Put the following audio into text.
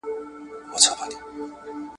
حیات الله په خپل ځان کې د ستړیا احساس وکړ.